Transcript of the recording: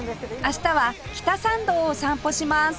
明日は北参道を散歩します